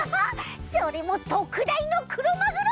それもとくだいのクロマグロ！